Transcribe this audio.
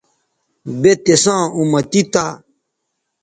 بے تِساں اُمتی تھا